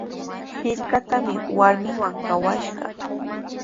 Hirkatrawmi warmiiwan kawashaq.